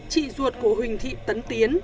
chị ruột của huỳnh thị tấn tiến